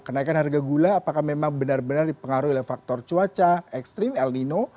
kenaikan harga gula apakah memang benar benar dipengaruhi oleh faktor cuaca ekstrim el nino